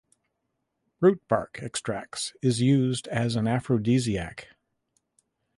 Root bark extracts is used as an aphrodisiac.